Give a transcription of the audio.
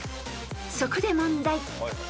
［そこで問題］